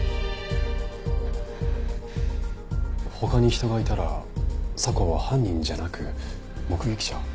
「他に人がいたら佐向は犯人じゃなく目撃者？」